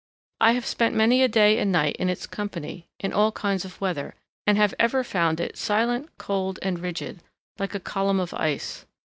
I have spent many a day and night in its company, in all kinds of weather, and have ever found it silent, cold, and rigid, like a column of ice.